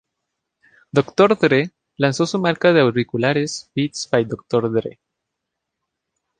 Dr. Dre lanzó su marca de auriculares, Beats by Dr. Dre.